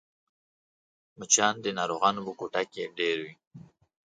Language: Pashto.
مچان د ناروغانو په کوټه کې ډېر وي